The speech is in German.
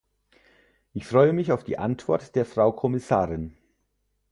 Ich freue mich auf die Antwort der Frau Kommissarin.